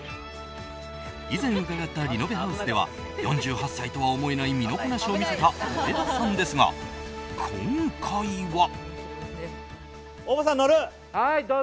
以前、伺ったリノベハウスでは４８歳とは思えない身のこなしを見せた上田さんですが、今回は。